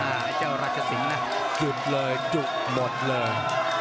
อ่าเจ้ารัชสิงห์นะจุดเลยจุกหมดเลย